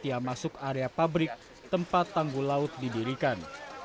yang masuk area pabrik tempat tangguh laut didirikan